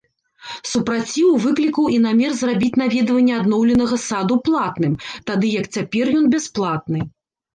Супраціў выклікаў і намер зрабіць наведванне адноўленага саду платным, тады як цяпер ён бясплатны.